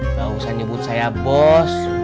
nggak usah nyebut saya bos